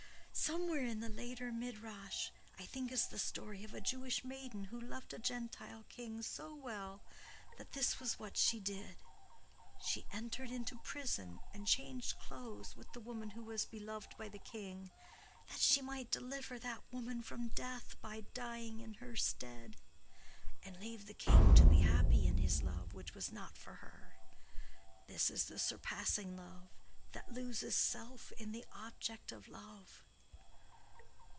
Somewhere in the later Midrash, I think, is the story of a Jewish maiden who loved a Gentile king so well, that this was what she did:—she entered into prison and changed clothes with the woman who was beloved by the king, that she might deliver that woman from death by dying in her stead, and leave the king to be happy in his love which was not for her. This is the surpassing love, that loses self in the object of love."